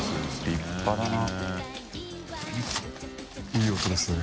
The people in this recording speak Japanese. いい音ですね。